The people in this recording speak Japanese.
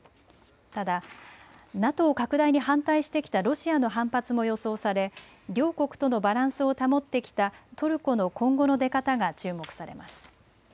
ただＮＡＴＯ拡大に反対してきたロシアの反発も予想され両国とのバランスを保ってきたトルコの今後の出方が注目されます。